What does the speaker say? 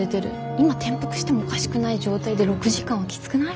今転覆してもおかしくない状態で６時間はきつくない？